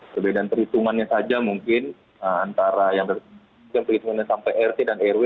perbedaan perhitungannya saja mungkin antara yang perhitungannya sampai rt dan rw